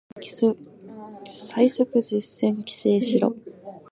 最速実践規制しろ